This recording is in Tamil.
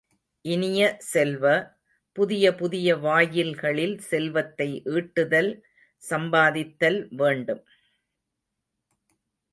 இனிய செல்வ, புதிய புதிய வாயில்களில் செல்வத்தை ஈட்டுதல் சம்பாதித்தல் வேண்டும்.